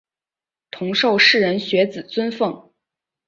同受士人学子尊奉。